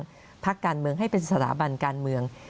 ให้เป็นภาคการเมืองให้เป็นสถาบันการเมือง